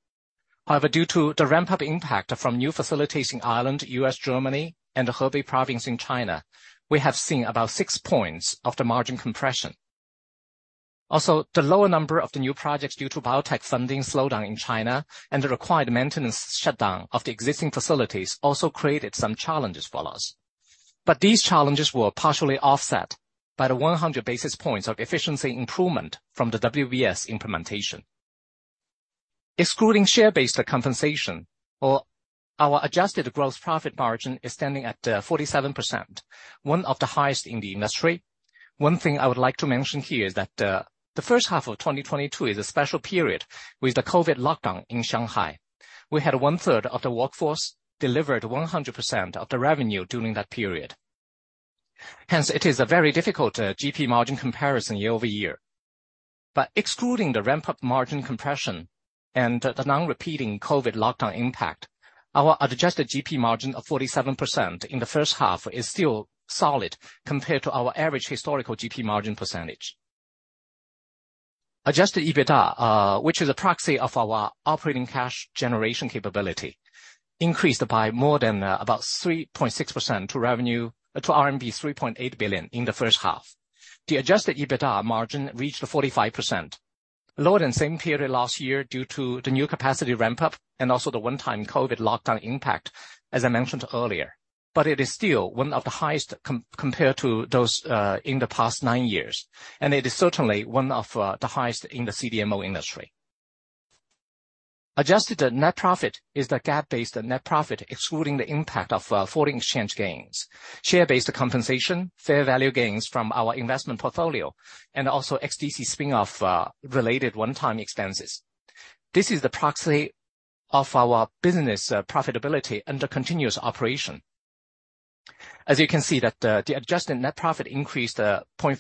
D: However, due to the ramp-up impact from new facilities in Ireland, U.S., Germany, and the Hebei Province in China, we have seen about 6 points of the margin compression. Also, the lower number of the new projects due to biotech funding slowdown in China and the required maintenance shutdown of the existing facilities also created some challenges for us. But these challenges were partially offset by the 100 basis points of efficiency improvement from the WBS implementation. Excluding share-based compensation, or our adjusted gross profit margin is standing at 47%, one of the highest in the industry. One thing I would like to mention here is that the first half of 2022 is a special period with the COVID lockdown in Shanghai. We had one third of the workforce delivered 100% of the revenue during that period. Hence, it is a very difficult GP margin comparison year-over-year. But excluding the ramp-up margin compression and the non-repeating COVID lockdown impact, our adjusted GP margin of 47% in the first half is still solid compared to our average historical GP margin percentage. Adjusted EBITDA, which is a proxy of our operating cash generation capability, increased by more than about 3.6% to RMB 3.8 billion in the first half. The adjusted EBITDA margin reached 45%, lower than same period last year due to the new capacity ramp-up and also the one-time COVID lockdown impact, as I mentioned earlier. But it is still one of the highest compared to those in the past nine years, and it is certainly one of the highest in the CDMO industry. Adjusted net profit is the GAAP-based net profit, excluding the impact of foreign exchange gains, share-based compensation, fair value gains from our investment portfolio, and also XDC spin-off related one-time expenses. This is the proxy of our business profitability and the continuous operation. As you can see, the adjusted net profit increased 0.4%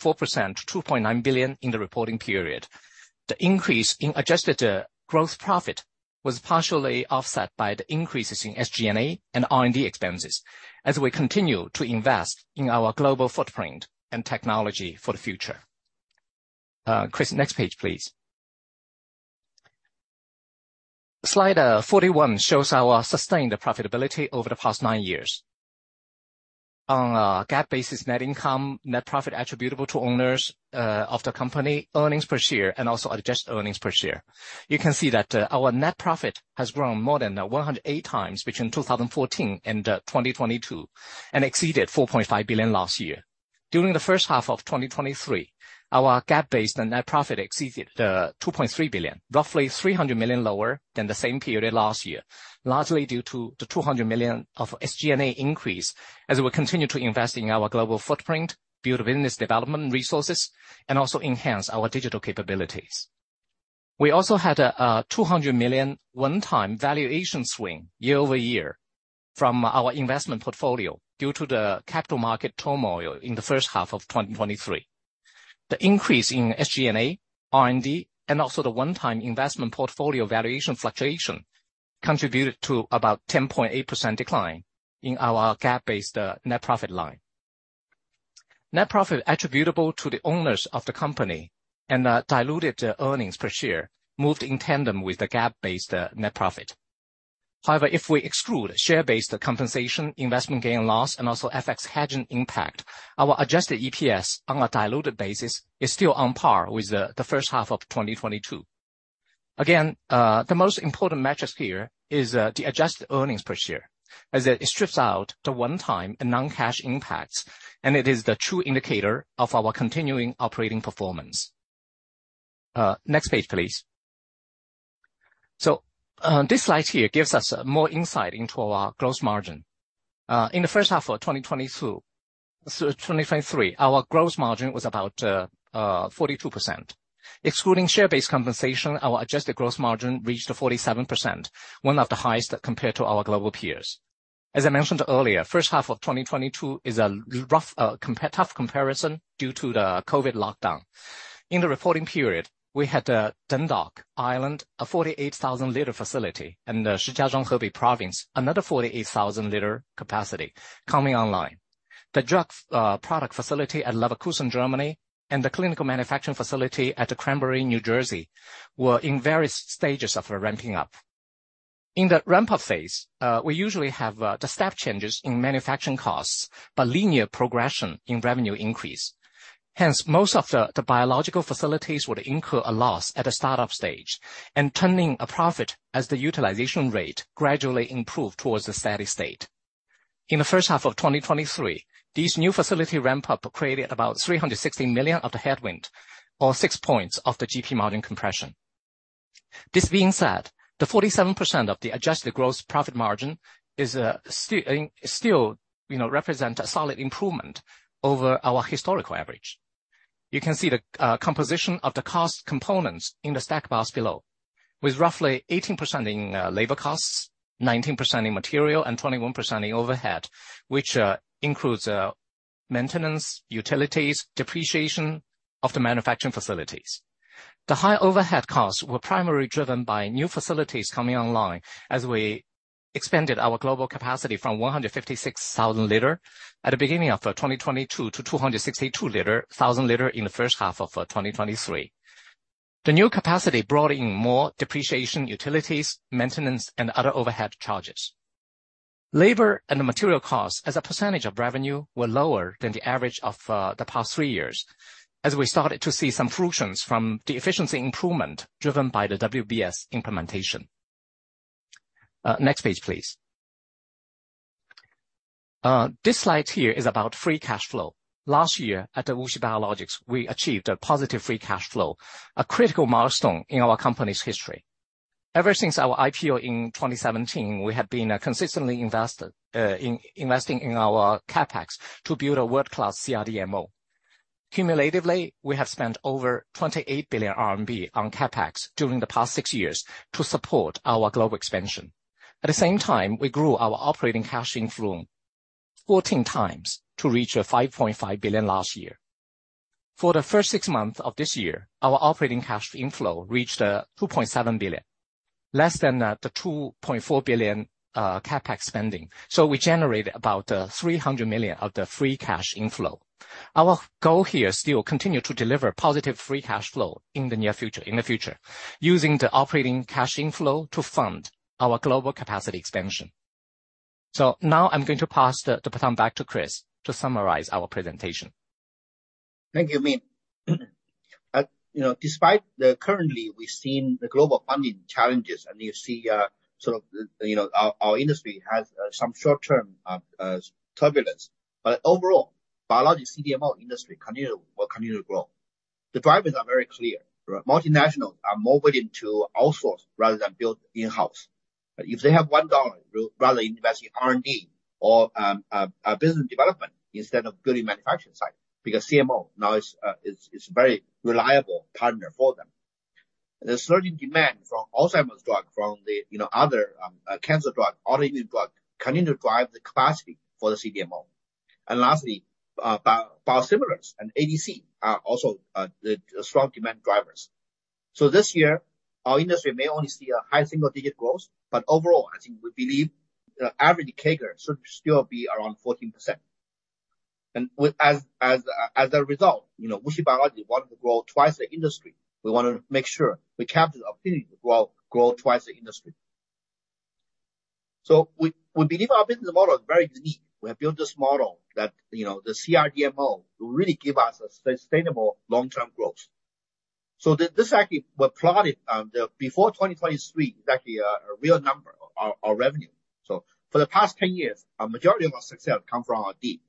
D: to 2.9 billion in the reporting period. The increase in adjusted growth profit was partially offset by the increases in SG&A and R&D expenses, as we continue to invest in our global footprint and technology for the future. Chris, next page, please. Slide 41 shows our sustained profitability over the past nine years. On a GAAP basis, net income, net profit attributable to owners of the company, earnings per share, and also adjusted earnings per share. You can see that our net profit has grown more than 108 times between 2014 and 2022, and exceeded 4.5 billion last year. During the first half of 2023, our GAAP-based net profit exceeded 2.3 billion, roughly 300 million lower than the same period last year, largely due to the 200 million of SG&A increase, as we continue to invest in our global footprint, build business development resources, and also enhance our digital capabilities. We also had a 200 million one-time valuation swing year over year from our investment portfolio due to the capital market turmoil in the first half of 2023. The increase in SG&A, R&D, and also the one-time investment portfolio valuation fluctuation, contributed to about 10.8% decline in our GAAP-based net profit line. Net profit attributable to the owners of the company and diluted earnings per share moved in tandem with the GAAP-based net profit. However, if we exclude share-based compensation, investment gain loss, and also FX hedging impact, our adjusted EPS on a diluted basis is still on par with the first half of 2022. Again, the most important metrics here is the adjusted earnings per share, as it strips out the one-time and non-cash impacts, and it is the true indicator of our continuing operating performance. Next page, please. So, this slide here gives us more insight into our gross margin. In the first half of 2022, so 2023, our gross margin was about 42%. Excluding share-based compensation, our adjusted gross margin reached 47%, one of the highest compared to our global peers. As I mentioned earlier, first half of 2022 is a rough, tough comparison due to the COVID lockdown. In the reporting period, we had Dundalk, Ireland, a 48,000-liter facility, and the Shijiazhuang, Hebei province, another 48,000-liter capacity coming online. The drug product facility at Leverkusen, Germany, and the clinical manufacturing facility at Cranbury, New Jersey, were in various stages of ramping up. In the ramp-up phase, we usually have the step changes in manufacturing costs, but linear progression in revenue increase. Hence, most of the biologics facilities would incur a loss at a startup stage and turning a profit as the utilization rate gradually improve towards the steady state. In the first half of 2023, these new facility ramp-up created about 360 million of the headwind, or 6 points of the GP margin compression. This being said, the 47% of the adjusted gross profit margin is still, you know, represent a solid improvement over our historical average. You can see the composition of the cost components in the stack bars below, with roughly 18% in labor costs, 19% in material, and 21% in overhead, which includes maintenance, utilities, depreciation of the manufacturing facilities. The high overhead costs were primarily driven by new facilities coming online as we expanded our global capacity from 156,000 liter at the beginning of 2022 to 262,000 liter in the first half of 2023. The new capacity brought in more depreciation, utilities, maintenance, and other overhead charges. Labor and the material costs, as a percentage of revenue, were lower than the average of the past three years, as we started to see some fruitions from the efficiency improvement driven by the WBS implementation. Next page, please. This slide here is about free cash flow. Last year, at WuXi Biologics, we achieved a positive free cash flow, a critical milestone in our company's history. Ever since our IPO in 2017, we have been consistently investing in our CapEx to build a world-class CRDMO. Cumulatively, we have spent over 28 billion RMB on CapEx during the past six years to support our global expansion. At the same time, we grew our operating cash inflow 14 times to reach 5.5 billion last year. For the first six months of this year, our operating cash inflow reached 2.7 billion, less than the 2.4 billion CapEx spending, so we generated about 300 million of the free cash inflow. Our goal here still continue to deliver positive free cash flow in the near future, in the future, using the operating cash inflow to fund our global capacity expansion. So now I'm going to pass the baton back to Chris to summarize our presentation.
C: Thank you, Min. You know, despite the currently we've seen the global funding challenges, and you see, sort of, you know, our industry has some short-term turbulence, but overall, biologics CDMO industry will continue to grow. The drivers are very clear, right? Multinationals are more willing to outsource rather than build in-house. If they have $1, they would rather invest in R&D or a business development instead of building manufacturing site, because CDMO now is a very reliable partner for them. The surging demand from Alzheimer's drug, from the, you know, other cancer drug, autoimmune drug, continue to drive the capacity for the CDMO. And lastly, biosimilars and ADC are also the strong demand drivers. So this year, our industry may only see a high single-digit growth, but overall, I think we believe the average CAGR should still be around 14%. And as a result, you know, WuXi Biologics wanted to grow twice the industry. We want to make sure we capture the opportunity to grow twice the industry. So we believe our business model is very unique. We have built this model that, you know, the CRDMO will really give us a sustainable long-term growth. So this actually were plotted the before 2023, exactly, a real number, our revenue. So for the past 10 years, a majority of our success come from our D.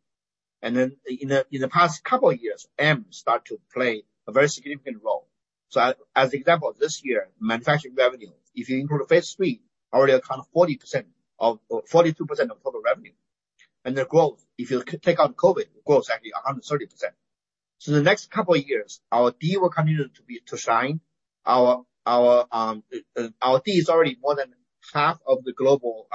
C: And then in the past couple of years, M start to play a very significant role. So, as example, this year, manufacturing revenue, if you include the phase 3, already account 40% or 42% of total revenue. And the growth, if you take out COVID, growth is actually 130%. So the next couple of years, our D will continue to shine. Our D is already more than half of the global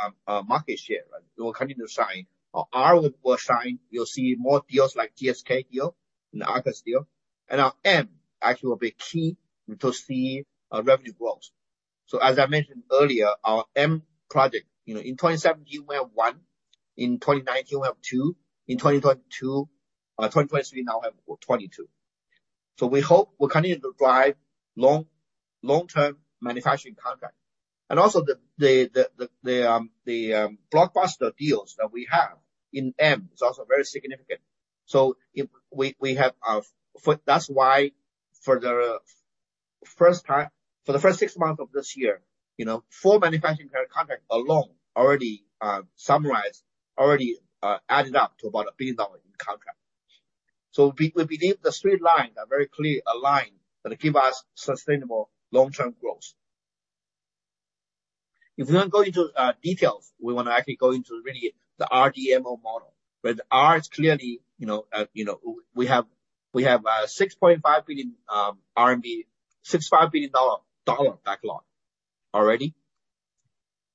C: market share, right? It will continue to shine. Our R will shine. You'll see more deals like GSK deal and Arcus deal. And our M actually will be key to see revenue growth. So as I mentioned earlier, our M project, you know, in 2017, we have one, in 2019, we have two, in 2022, 2023, now we have 22. So we hope we'll continue to drive long-term manufacturing contract. Also the blockbuster deals that we have in M&A is also very significant. So if we have our -- for, that's why for the first time, for the first six months of this year, you know, 4 manufacturing current contract alone already summarized already added up to about $1 billion in contract. So we believe the straight line are very clearly aligned, that give us sustainable long-term growth. If we want to go into details, we want to actually go into really the CRDMO model, where the R is clearly, you know, we have, we have 6.5 billion RMB, $6.5 billion backlog already.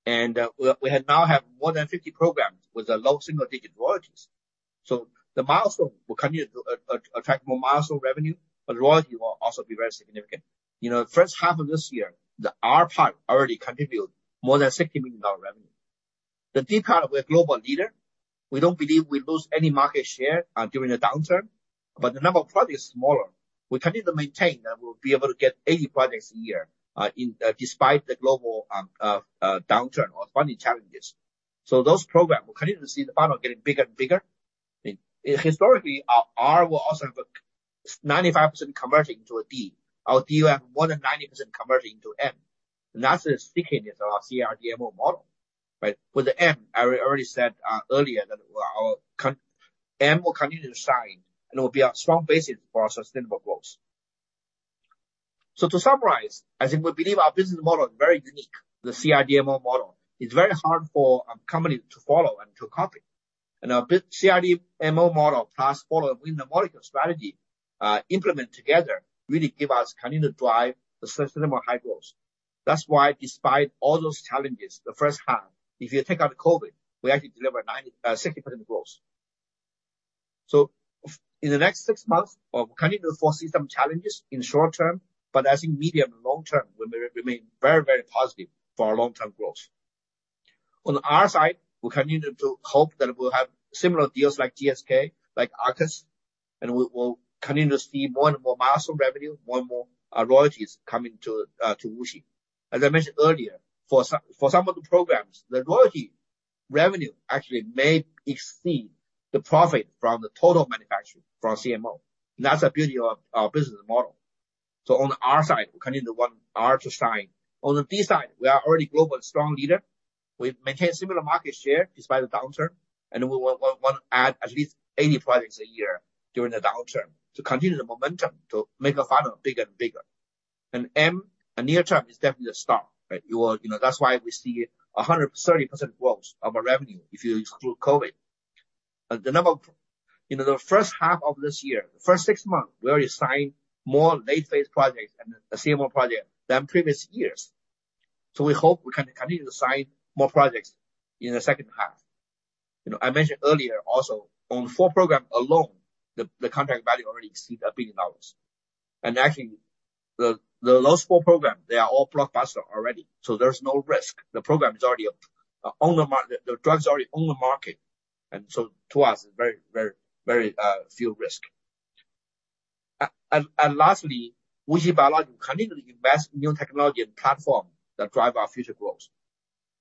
C: And we now have more than 50 programs with a low single-digit royalties. So the milestone will continue to attract more milestone revenue, but royalty will also be very significant. You know, the first half of this year, the R part already contributed more than $60 million revenue. The D part, we're a global leader. We don't believe we lose any market share during the downturn, but the number of product is smaller. We continue to maintain that we'll be able to get 80 products a year, despite the global downturn or funding challenges. So those programs, we continue to see the funnel getting bigger and bigger. And historically, our R will also have a 95% converting to a D. Our D will have more than 90% converting to M, and that's the stickiness of our CRDMO model, right? With the momentum, I already said earlier that our contracts will continue to sign, and it will be a strong basis for our sustainable growth. So to summarize, I think we believe our business model is very unique. The CRDMO model is very hard for a company to follow and to copy. And our big CRDMO model plus Follow the Molecule strategy, implement together, really give us continue to drive the sustainable high growth. That's why despite all those challenges, the first half, if you take out COVID, we actually deliver 96% growth. So in the next 6 months, we'll continue to foresee some challenges in short term, but I think medium and long term, we may remain very, very positive for our long-term growth. On the R side, we continue to hope that we'll have similar deals like GSK, like Arcus, and we'll continue to see more and more milestone revenue, more and more royalties coming to Wuxi. As I mentioned earlier, for some, for some of the programs, the royalty revenue actually may exceed the profit from the total manufacturing from CMO. That's the beauty of our business model. So on the R side, we continue to want R to sign. On the D side, we are already global strong leader. We've maintained similar market share despite the downturn, and we want, want, want to add at least 80 products a year during the downturn to continue the momentum, to make our funnel bigger and bigger. And M, and near term, is definitely a star, right? You know, that's why we see 130% growth of our revenue if you exclude COVID. You know, the first half of this year, the first six months, we already signed more late-phase projects and the CMO project than previous years. So we hope we can continue to sign more projects in the second half. You know, I mentioned earlier also, on four programs alone, the contract value already exceeded $1 billion. And actually, the last four programs, they are all blockbuster already, so there's no risk. The program is already on the market, and so to us, it's very, very, very few risk. And lastly, WuXi Biologics continue to invest in new technology and platform that drive our future growth.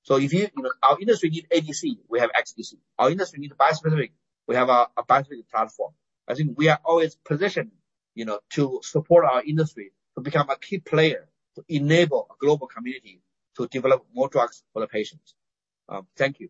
C: So if you, you know, our industry needs ADC, we have ADC. Our industry needs bispecific, we have a bispecific platform. I think we are always positioned, you know, to support our industry, to become a key player, to enable a global community to develop more drugs for the patients. Thank you.